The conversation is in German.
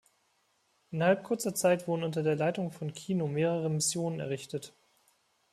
Innerhalb kurzer Zeit wurden unter der Leitung von Kino mehrere Missionen errichtet.